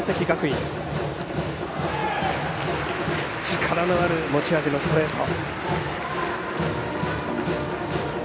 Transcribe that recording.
力のある持ち味のストレート。